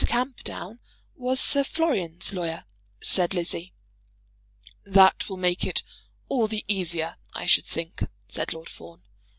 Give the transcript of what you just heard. Camperdown was Sir Florian's lawyer," said Lizzie. "That will make it all the easier, I should think," said Lord Fawn.